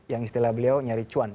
yang istilah beliau nyari cuan